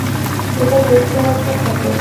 এটা যুদ্ধের একটা ক্ষত।